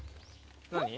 何？